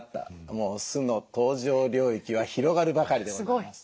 もう酢の登場領域は広がるばかりでございます。